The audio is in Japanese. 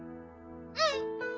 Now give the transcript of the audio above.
うん。